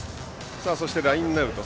そしてラインアウト。